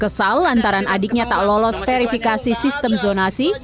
kesal lantaran adiknya tak lolos verifikasi sistem zonasi